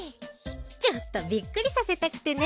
ちょっとビックリさせたくてね。